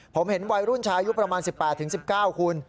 ผมเห็นวัยรุ่นชายุคประมาณ๑๘๑๙คุณ